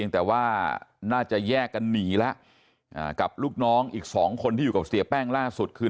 แต่ว่าน่าจะแยกกันหนีแล้วกับลูกน้องอีกสองคนที่อยู่กับเสียแป้งล่าสุดคือ